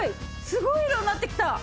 すごい色になってきた！